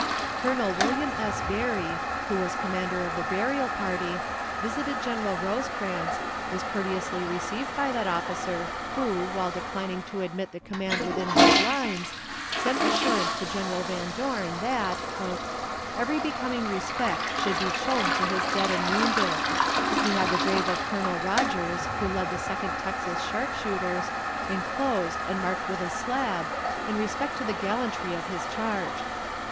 Colonel William S. Barry, who, as commander of the burial party, visited General Rosecrans, was courteously received by that officer, who, while declining to admit the command within his lines, sent assurance to General Van Dorn that "every becoming respect should be shown to his dead and wounded. ... He had the grave of Colonel Rodgers, who led the Second Texas sharpshooters, inclosed and marked with a slab, in respect to the gallantry of his charge.